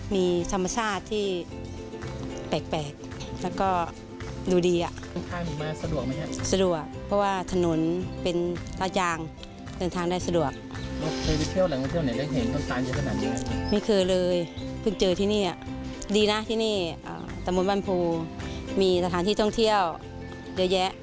ไม่เคยเลยเพิ่งเจอที่นี่ดีนะที่นี่ตำบวนบ้านโภมีสถานที่ท่องเที่ยวเยอะแยะ